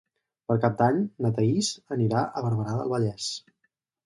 Per Cap d'Any na Thaís anirà a Barberà del Vallès.